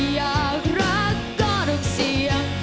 อยากรักก็ต้องเสี่ยง